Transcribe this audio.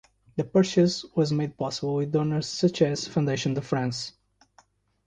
The purchase was made possible with donors such as Fondation de France.